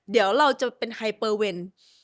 เดี๋ยวเราจะเป็นไฮเปอร์เวน